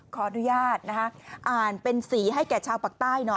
ขออนุญาตนะคะอ่านเป็นสีให้แก่ชาวปากใต้หน่อย